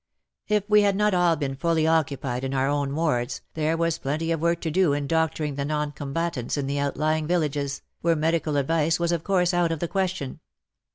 If we had not all been fully occupied in our own wards, there was plenty of work to do in doctoring the non combatants in the outlying villages, where medical advice was of course out of the question.